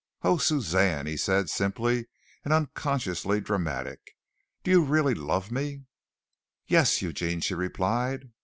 "Oh, Suzanne!" he said, simply and unconsciously dramatic. "Do you really love me?" "Yes, Eugene," she replied.